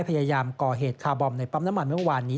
พยายามก่อเหตุคาร์บอมในปั๊มน้ำมันเมื่อวานนี้